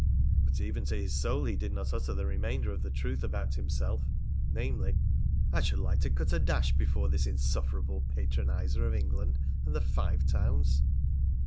But even to his soul he did not utter the remainder of the truth about himself, namely, "I should like to cut a dash before this insufferable patroniser of England and the Five Towns."